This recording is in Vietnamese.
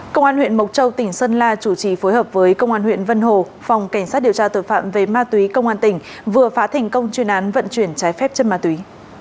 công an huyện mộc châu tỉnh sơn la chủ trì phối hợp với công an huyện vân hồ phòng cảnh sát điều tra tội phạm về ma túy công an tỉnh vừa phá thành công chuyên án vận chuyển trái phép chân ma túy